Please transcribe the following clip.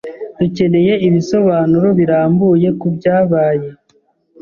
Dukeneye ibisobanuro birambuye kubyabaye.